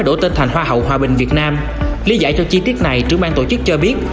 để giải cho chi tiết này trưởng ban tổ chức cho biết